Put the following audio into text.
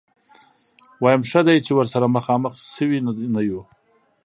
ويم ښه دی چې ورسره مخامخ شوي نه يو.